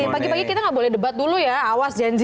pagi pagi kita nggak boleh debat dulu ya awas janji